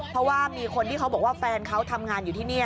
เพราะว่ามีคนที่เขาบอกว่าแฟนเขาทำงานอยู่ที่นี่